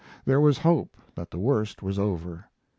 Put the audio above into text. There was hope that the worst was over.